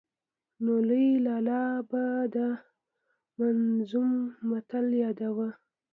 نو لوی لالا به دا منظوم متل ياداوه.